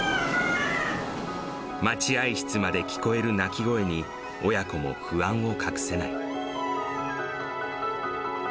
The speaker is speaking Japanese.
待合室まで聞こえる鳴き声に、親子も不安を隠せない。